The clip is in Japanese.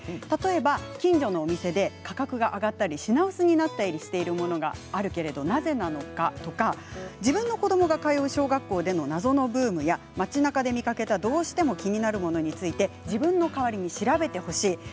例えば近所のお店で価格が上がったり品薄になったりしているものがあるけれどなぜなのかとか自分の子どもが通う小学校での謎のブームや街なかで見かけたどうしても気になるものについて自分の代わりに調べてほしい。